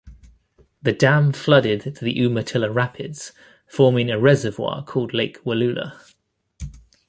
The dam flooded the Umatilla Rapids, forming a reservoir called Lake Wallula.